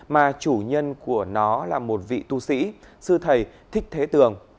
mà chủ nhân của nó là một vị tu sĩ sư thầy thích thế tường